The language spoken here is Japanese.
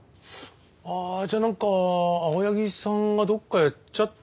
ああじゃあなんか青柳さんがどこかやっちゃったのかな？